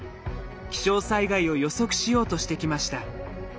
気象災害を予測しようとしてきました。